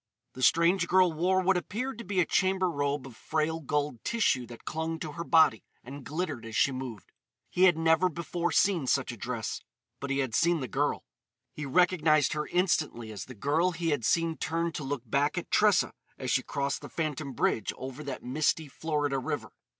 The strange girl wore what appeared to be a chamber robe of frail gold tissue that clung to her body and glittered as she moved. He had never before seen such a dress; but he had seen the girl; he recognised her instantly as the girl he had seen turn to look back at Tressa as she crossed the phantom bridge over that misty Florida river.